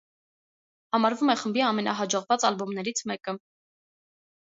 Համարվում է խմբի ամենահաջողված ալբոմներից մեկը։